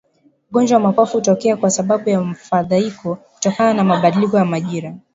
Ugonjwa wa mapafu hutokea kwa sababu ya mfadhaiko kutokana na mabadiliko ya majira